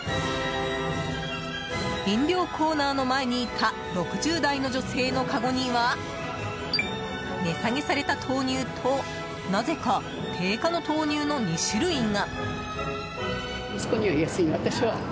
飲料コーナーの前にいた６０代の女性のかごには値下げされた豆乳となぜか定価の豆乳の２種類が。